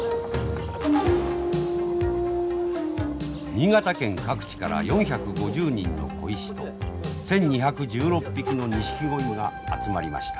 新潟県各地から４５０人の鯉師と１，２１６匹のニシキゴイが集まりました。